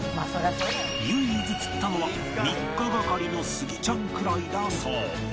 唯一釣ったのは３日がかりのスギちゃんくらいだそう